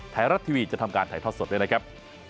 ไทยรัฐทีวีจะทำการถ่ายทอดสดด้วยนะครับ